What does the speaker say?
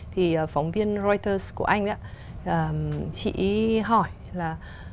thì phóng viên reuters của anh ấy chỉ hỏi là